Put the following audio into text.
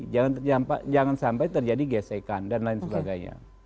jangan sampai terjadi gesekan dan lain sebagainya